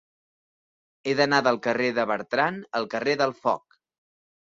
He d'anar del carrer de Bertran al carrer del Foc.